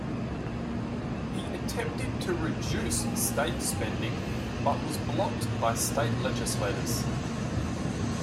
He attempted to reduce state spending but was blocked by state legislators.